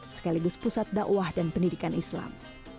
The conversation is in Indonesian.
sekaligus pusat dakwah dan pendidikan islam